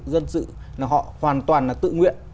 dân sự là họ hoàn toàn là tự nguyện